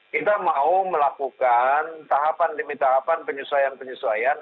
kita mau melakukan tahapan demi tahapan penyesuaian penyesuaian